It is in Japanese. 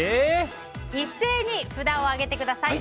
一斉に札を上げてください。